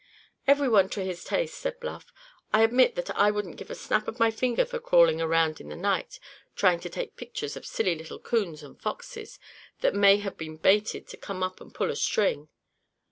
"Every one to his taste," said Bluff. "I admit that I wouldn't give a snap of my finger for crawling around in the night, trying to take pictures of silly little 'coons and foxes that have been baited to come up and pull a string.